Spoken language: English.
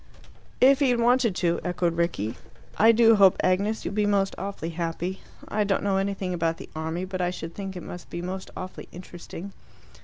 "If he had wanted to," echoed Rickie. "I do hope, Agnes, you'll be most awfully happy. I don't know anything about the army, but I should think it must be most awfully interesting."